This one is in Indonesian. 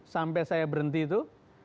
sampai saya berhenti itu